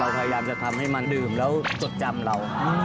พยายามจะทำให้มันดื่มแล้วจดจำเรา